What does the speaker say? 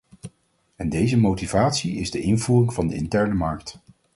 En deze motivatie is de invoering van de interne markt.